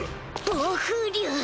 暴風竜。